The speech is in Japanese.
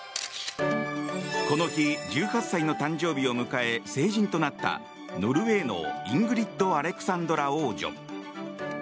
この日、１８歳の誕生日を迎え成人となった、ノルウェーのイングリッド・アレクサンドラ王女。